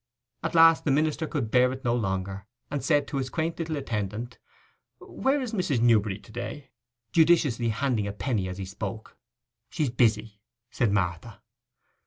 At last the minister could bear it no longer, and said to his quaint little attendant, 'Where is Mrs. Newberry to day?' judiciously handing a penny as he spoke. 'She's busy,' said Martha.